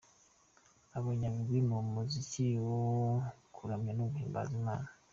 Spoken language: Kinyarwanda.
abanyabigwi mu muziki wo kuramya no guhimbaza Imana.